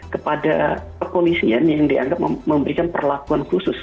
kepada kepolisian yang dianggap memberikan perlakuan khusus